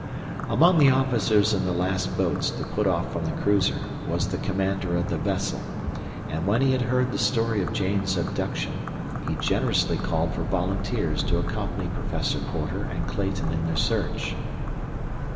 Among the officers in the last boats to put off from the cruiser was the commander of the vessel; and when he had heard the story of Jane's abduction, he generously called for volunteers to accompany Professor Porter and Clayton in their search.